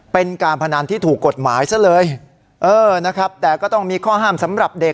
เป็นการพนันที่ถูกกฎหมายซะเลยเออนะครับแต่ก็ต้องมีข้อห้ามสำหรับเด็ก